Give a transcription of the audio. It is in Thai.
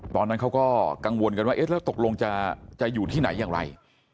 ตอนนั้นเขาก็กังวลกันว่าเอ๊ะแล้วตกลงจะอยู่ที่ไหนอย่างไร